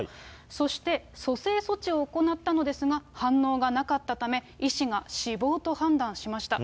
そして、蘇生措置を行ったのですが、反応がなかったため、医師が死亡と判断しました。